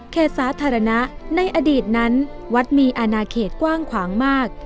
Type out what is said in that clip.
สาธารณะในอดีตนั้นวัดมีอนาเขตกว้างขวางมาก